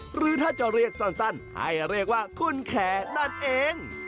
หรือถ้าจะเรียกสั้นให้เรียกว่าคุณแคร์นั่นเอง